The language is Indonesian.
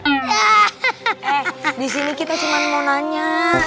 eh di sini kita cuma mau nanya